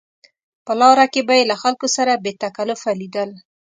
په لاره کې به یې له خلکو سره بې تکلفه لیدل.